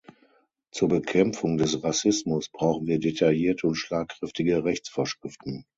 Zur Bekämpfung des Rassismus brauchen wir detaillierte und schlagkräftige Rechtsvorschriften.